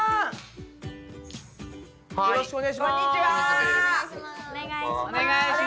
はい。